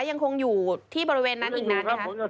ยังคงอยู่ที่บริเวณนั้นอีกนั้นไหมคะยังคงอยู่ครับ